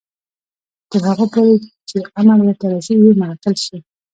تر هغو پورې چې امر ورته رسیږي معطل شي.